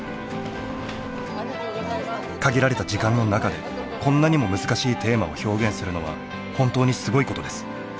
限られた時間の中でこんなにも難しいテーマを表現するのは本当にすごいことです。